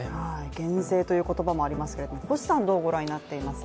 減税という言葉もありますけれどもどうご覧になっていますか？